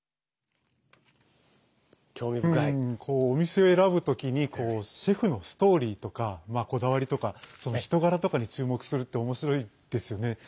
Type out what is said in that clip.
お店を選ぶときにシェフのストーリーとかこだわりとか人柄とかに注目するっておもしろいですよね。